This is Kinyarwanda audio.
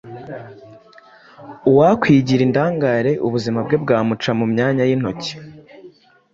Uwakwigira indangare ubuzima bwe bwamuca mu myanya y’intoki.